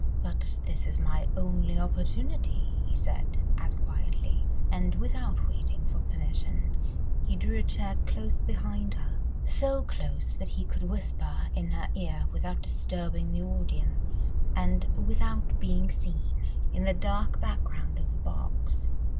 "But this is my only opportunity," he said, as quietly, and without waiting for permission, he drew a chair close behind her—so close that he could whisper in her ear, without disturbing the audience, and without being seen, in the dark background of the box.